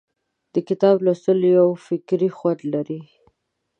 د کتاب لوستل یو فکري خوند لري.